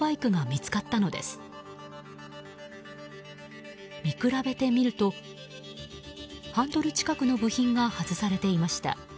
見比べてみるとハンドル近くの部品が外されていました。